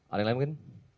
ada yang lain mungkin